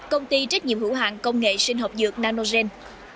công ty trách nhiệm hữu hạng công nghệ sinh học dược nanogen